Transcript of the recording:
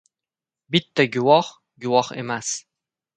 • Bitta guvoh — guvoh emas.